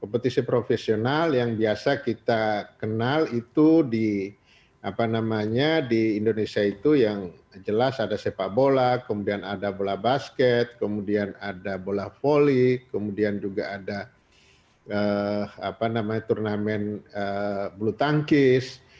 kompetisi profesional yang biasa kita kenal itu di indonesia itu yang jelas ada sepak bola kemudian ada bola basket kemudian ada bola voli kemudian juga ada turnamen bulu tangkis